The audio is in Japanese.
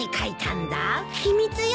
秘密よ！